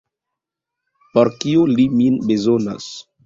Por kio li min bezonas?